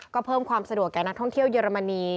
ก็เพิ่มความสะดวกแก่นักท่องเที่ยวเยอรมนี